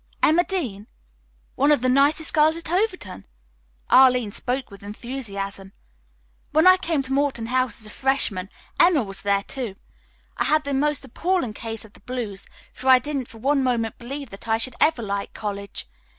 "Emma Dean? One of the nicest girls at Overton." Arline spoke with enthusiasm. "When I came to Morton House as a freshman, Emma was there, too. I had the most appalling case of the blues, for I didn't for one moment believe that I should ever like college.